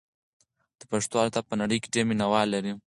د پښتو ادب په نړۍ کې ډېر مینه وال لري.